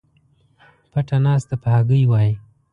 پټه ناسته په هګۍ وای